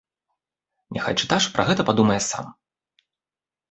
Няхай чытач пра гэта падумае сам.